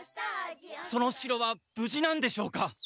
その城はぶじなんでしょうか？